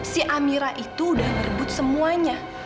si amirah itu udah merebut semuanya